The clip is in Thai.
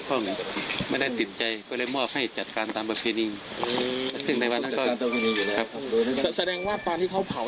เพราะมอบสูบให้จะไปจัดการตามแบบนี้นี่ตามความเชื่อของเขา